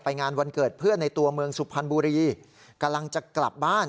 งานวันเกิดเพื่อนในตัวเมืองสุพรรณบุรีกำลังจะกลับบ้าน